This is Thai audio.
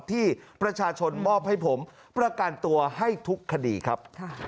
ที่ประชาชนมอบให้ผมประกันตัวให้ทุกคดีครับ